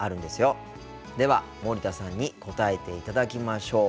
では森田さんに答えていただきましょう。